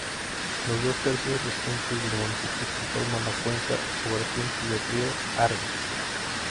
Los dos tercios restantes del municipio conforman la cuenca o vertiente del río Arga.